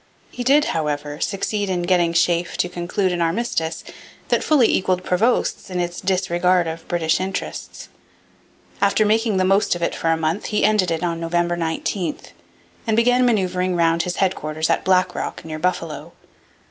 He did, however, succeed in getting Sheaffe to conclude an armistice that fully equalled Prevost's in its disregard of British interests. After making the most of it for a month he ended it on November 19, and began manoeuvring round his headquarters at Black Rock near Buffalo.